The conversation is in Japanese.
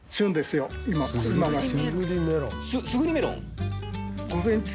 すすぐりメロン？